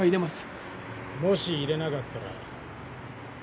もし入れなかったら。